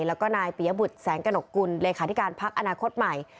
แล้วก็นายปียบุตรแสงกระหนกกุลเลขาธิการพักอนาคตใหม่